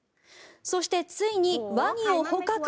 そして、ついにワニを捕獲。